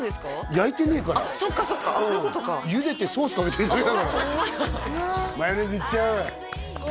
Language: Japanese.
焼いてねえからそっかそっかそういうことかゆでてソースかけてるだけだからマヨネーズいっちゃうあ